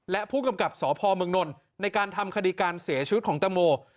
และผู้กำกับสพเมืองนลในการทำคดีการเสียชีวิตของตังโม